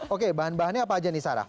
oke bahan bahannya apa aja nih sarah